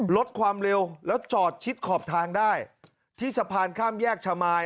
ลดความเร็วแล้วจอดชิดขอบทางได้ที่สะพานข้ามแยกชะมาย